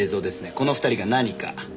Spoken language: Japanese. この２人が何か？